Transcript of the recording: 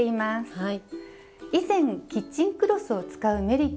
はい。